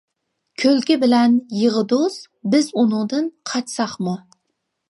كۈلكە بىلەن، يىغا دوست، بىز ئۇنىڭدىن، قاچساقمۇ.